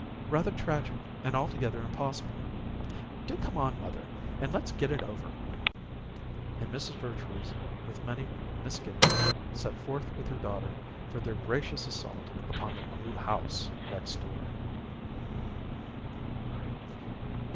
"Rather tragic and altogether impossible. Do come on, mother, and let's get it over!" And Mrs. Vertrees, with many misgivings, set forth with her daughter for their gracious assault upon the New House next door.